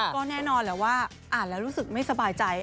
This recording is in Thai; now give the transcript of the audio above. ก็แน่นอนแหละว่าอ่านแล้วรู้สึกไม่สบายใจ